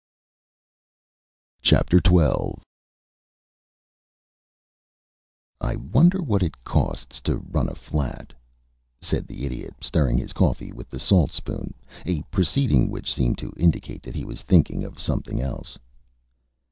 XII "I wonder what it costs to run a flat?" said the Idiot, stirring his coffee with the salt spoon a proceeding which seemed to indicate that he was thinking of something else.